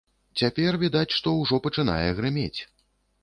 Цяпер, відаць што, ужо пачынае грымець.